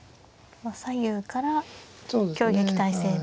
左右から挟撃態勢で。